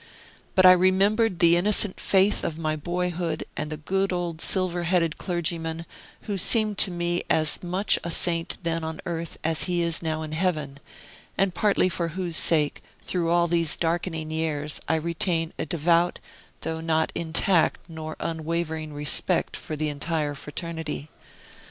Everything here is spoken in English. But I remembered the innocent faith of my boyhood, and the good old silver headed clergyman, who seemed to me as much a saint then on earth as he is now in heaven, and partly for whose sake, through all these darkening years, I retain a devout, though not intact nor unwavering respect for the entire fraternity.